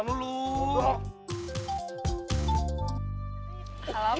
itu bukan teman lu